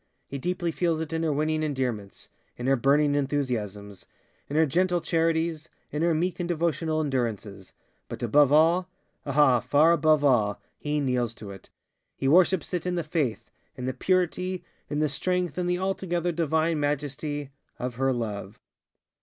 He deeply feels it in her winning endearmentsŌĆöin her burning enthusiasmsŌĆöin her gentle charitiesŌĆöin her meek and devotional endurancesŌĆöbut above allŌĆöah, far above all, he kneels to itŌĆöhe worships it in the faith, in the purity, in the strength, in the altogether divine majestyŌĆöof her love.